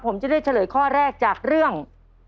ผมจะได้เฉลยข้อแรกจากเรื่อง